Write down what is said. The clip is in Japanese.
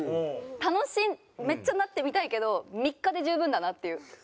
楽しいめっちゃなってみたいけど３日で十分だなっていう。